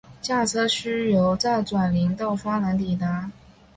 驾车需由再转林道方能抵达。